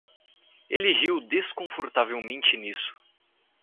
Ele riu desconfortavelmente nisso.